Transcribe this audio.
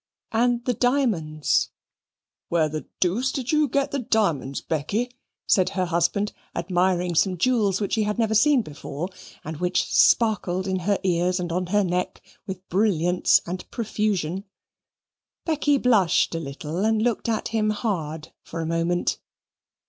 And the diamonds "Where the doose did you get the diamonds, Becky?" said her husband, admiring some jewels which he had never seen before and which sparkled in her ears and on her neck with brilliance and profusion. Becky blushed a little and looked at him hard for a moment.